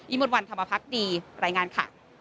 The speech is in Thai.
อีมุนวันธรรมพักษ์ดีรายงานค่ะ